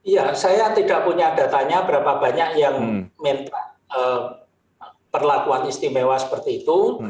ya saya tidak punya datanya berapa banyak yang minta perlakuan istimewa seperti itu